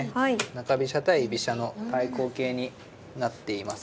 中飛車対居飛車の対抗型になっています。